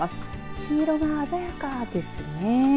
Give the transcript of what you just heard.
黄色が鮮やかですね。